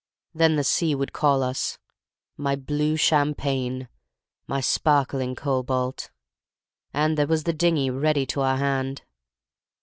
Then the sea would call us—my blue champagne—my sparkling cobalt—and there was the dingy ready to our hand.